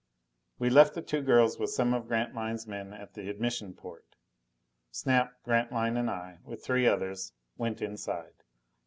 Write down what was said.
We left the two girls with some of Grantline's men at the admission port. Snap, Grantline and I, with three others, went inside.